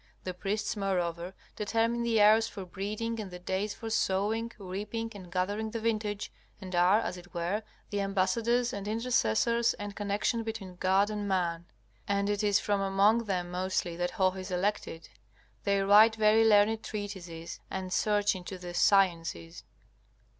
The priests, moreover, determine the hours for breeding and the days for sowing, reaping, and gathering the vintage, and are, as it were, the ambassadors and intercessors and connection between God and man. And it is from among them mostly that Hoh is elected. They write very learned treatises and search into the sciences.